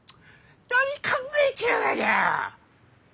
何考えちゅうがじゃ！